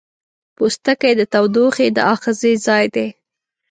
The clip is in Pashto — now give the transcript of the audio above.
پوستکی د تودوخې د آخذې ځای دی.